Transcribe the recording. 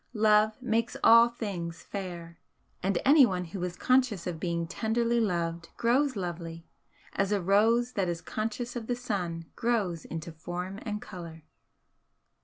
Love makes all things fair, and anyone who is conscious of being tenderly loved grows lovely, as a rose that is conscious of the sun grows into form and colour.